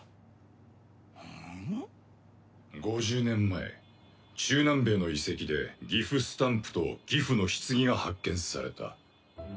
５０年前中南米の遺跡でギフスタンプとギフの棺が発見された。